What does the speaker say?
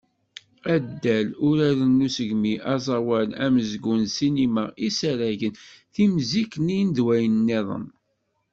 Addal, uraren n usegmi, aẓawan, amezgun, ssinima, isaragen, timziknin d wayen-nniḍen.